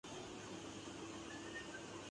اب بہتری کی امید ہے۔